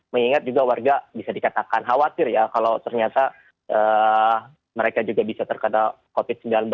mengingat juga warga bisa dikatakan khawatir ya kalau ternyata mereka juga bisa terkena covid sembilan belas